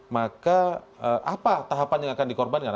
maka apa tahapan yang akan dikorbankan